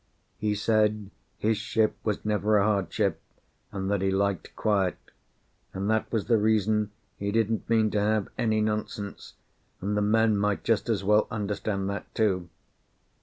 He said his ship was never a hard ship, and that he liked quiet, and that was the reason he didn't mean to have any nonsense, and the men might just as well understand that, too.